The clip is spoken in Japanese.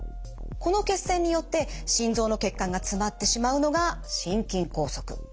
この血栓によって心臓の血管が詰まってしまうのが心筋梗塞。